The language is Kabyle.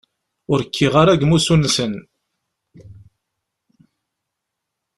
Ur kkiɣ ara deg umussu-nsen!